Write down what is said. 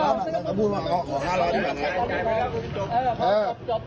อ้าวตอนมาตอนแรกยังบอก๕๐๐คนละครึ่งอยู่เลย